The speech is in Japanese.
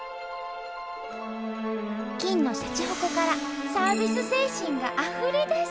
金のしゃちほこからサービス精神があふれ出す！